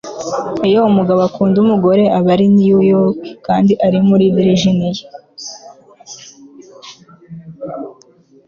iyo umugabo akunda umugore aba ari i new york kandi ari muri virginia